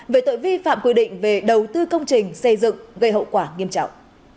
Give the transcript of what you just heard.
về tội vi phạm quy định về đầu tư công trình xây dựng gây hậu quả nghiêm trọng